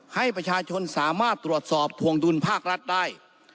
ให้ประชาชนสามารถตรวจสอบทวงดุลภาครัฐได้